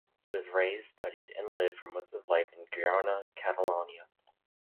He was raised, studied, and lived for most of his life in Girona, Catalonia.